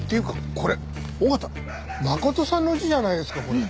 これ「緒方」真琴さんの家じゃないですかこれ。